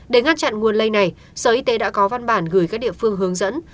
để ngăn chặn nguồn lây này sở y tế đã có văn bản gửi các địa phương hướng dẫn